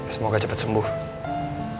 semoga cepet sembuh